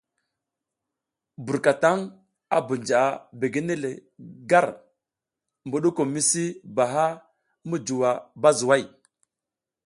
Burkataŋ a bunja begene le nga ar budugum misi baha mi juwa bazuway.